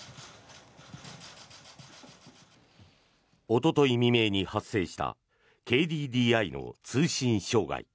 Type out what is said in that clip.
おととい未明に発生したＫＤＤＩの通信障害。